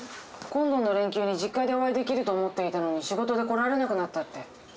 今度の連休に実家でお会いできると思っていたのに仕事で来られなくなったって。